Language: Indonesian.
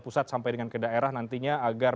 pusat sampai dengan ke daerah nantinya agar